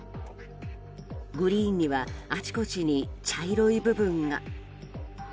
グリーンにはあちこちに茶色い部分が。